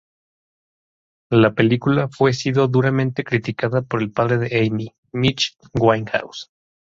La película fue sido duramente criticada por el padre de Amy, Mitch Winehouse.